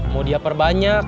mau dia perbanyak